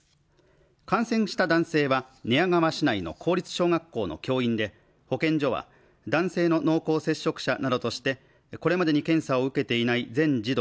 感染した男性は寝屋川市内の公立小学校の教員で保健所は男性の濃厚接触者などとしてこれまでに検査を受けていない全児童